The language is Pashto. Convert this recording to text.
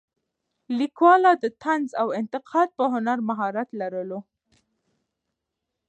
لیکواله د طنز او انتقاد په هنر مهارت لرلو.